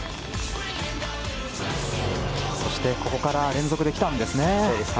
そして、ここから連続できたんですね。